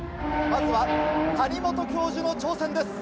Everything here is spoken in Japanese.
まずは谷本教授の挑戦です。